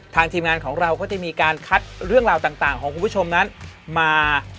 ทีมงานของเราก็จะมีการคัดเรื่องราวต่างของคุณผู้ชมนั้นมา